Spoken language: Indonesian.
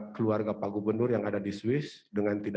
keluarga yang memberi ruang privasi ke mereka